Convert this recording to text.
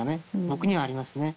僕にはありますね。